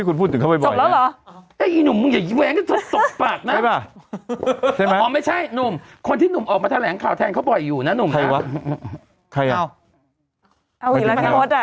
ก็เป็นรายการที่หนูกับพี่แม่งมาพอกันแหละ